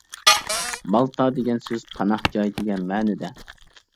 مالتا دېگەن سۆز «پاناھ جاي» دېگەن مەنىدە.